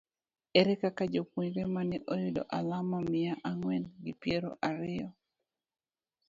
Ere kaka japuonjre ma ne oyudo alama miya ang'wen gi piero ariyo